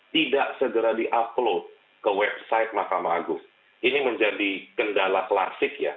tidak segera di upload ke website mahkamah agung ini menjadi kendala klasik ya